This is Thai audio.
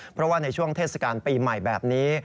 เพราะว่าในช่วงเทศกาลปีใหม่แบบนี้